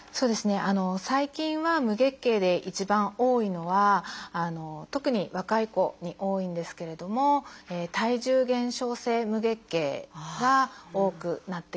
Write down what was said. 最近は無月経で一番多いのは特に若い子に多いんですけれども体重減少性無月経が多くなってきます。